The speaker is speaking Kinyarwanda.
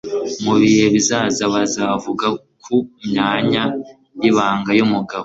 mu bihe bizaza bazavuga ku myanya y'ibanga y'umugabo